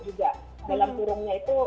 juga dalam turunnya itu